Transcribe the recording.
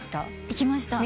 行きました。